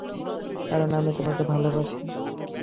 কারণ, আমি তোমাকে ভালোবাসি।